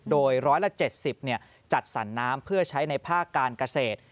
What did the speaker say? โดยร้อยละ๗๐เนี่ยจัดสั่นน้ำเพื่อใช้ในภาคการเกษตร